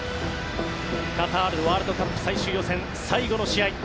カタールワールドカップ最終予選最後の試合。